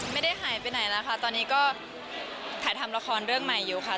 ไม่ได้หายไปไหนแล้วค่ะตอนนี้ก็ถ่ายทำละครเรื่องใหม่อยู่ค่ะ